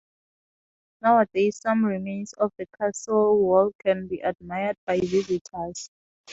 Nowadays some remains of the castle wall can be admired by visitors.